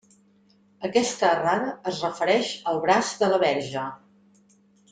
Aquesta errada es refereix al braç de la Verge.